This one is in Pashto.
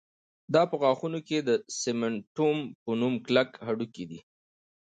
دا په غاښونو کې د سېمنټوم په نوم کلک هډوکی دی